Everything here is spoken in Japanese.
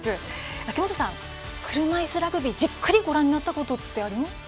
秋元さん、車いすラグビーじっくりご覧になったことありますか？